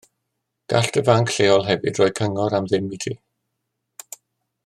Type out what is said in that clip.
Gall dy fanc lleol hefyd roi cyngor am ddim i ti.